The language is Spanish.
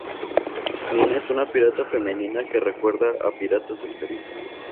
Mina es una pirata femenina que recuerda a Piratas del Caribe.